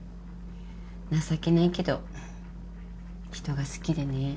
情けないけど人が好きでね